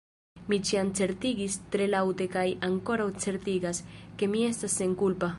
Mi ĉiam certigis tre laŭte kaj ankoraŭ certigas, ke mi estas senkulpa.